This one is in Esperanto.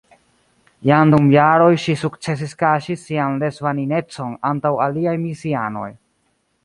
Jam dum jaroj ŝi sukcesis kaŝi sian lesbaninecon antaŭ aliaj misianoj.